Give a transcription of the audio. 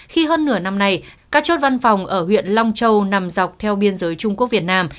khi hơn nửa năm nay các chốt văn phòng ở huyện long châu nằm dọc theo biên giới trung quốc việt nam